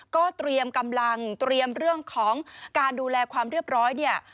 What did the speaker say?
ก็เตรียมกำลังเตรียมเรื่องของการดูแลความเรียบร้อยเนี่ย